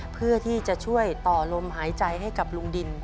เพื่อที่จะช่วยต่อลมหายใจให้กับลุงดิน